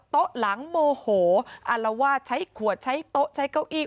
โต๊ะหลังโมโหอารวาสใช้ขวดใช้โต๊ะใช้เก้าอี้